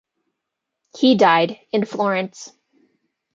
He died in Florence.